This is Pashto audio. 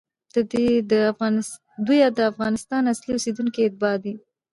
دوی د افغانستان اصلي اوسېدونکي، اتباع دي،